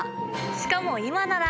しかも今なら！